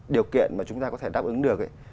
điều kiện mà chúng ta có thể đáp ứng được ấy